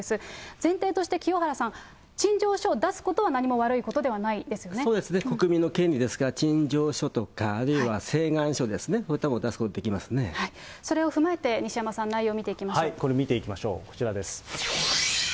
前提として清原さん、陳情書を出すことは、何も悪いことではないそうですね、国民の権利ですから、陳情書とか、あるいは請願書ですね、こういったものを出すそれを踏まえて、西山さん、これ見ていきましょう、こちらです。